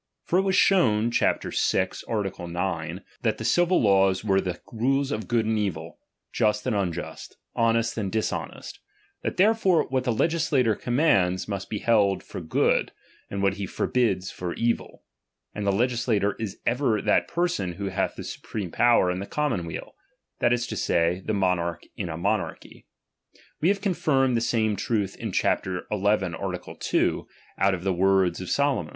For it was shown (chap. vi. art. 9) that the civil laws were the rules of good and evil, just and unjust, honest and dishonest ; that therefore what the legislator commands, must be held for good, and what he forbids for evil. And the legisla tor is ever that person who hath the supreme power in the commonweal, that li to say, the mo narch in a monarchy. We have confirmed the same truth in chap. xi. art. 2, out of the words of Solo DOMINION.